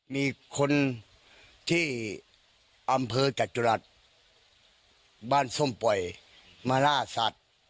มีคนที่อำเภอจตุรัสบ้านส้มปล่อยมาล่าสัตว์